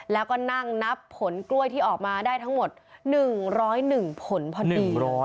แล้วก็นั่งนับผลกล้วยที่ออกมาได้ทั้งหมด๑๐๑ผลพอดี